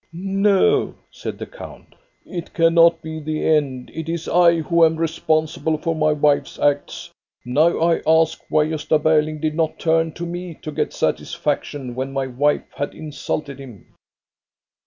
"No," said the count. "It cannot be the end. It is I who am responsible for my wife's acts. Now I ask why Gosta Berling did not turn to me to get satisfaction when my wife had insulted him."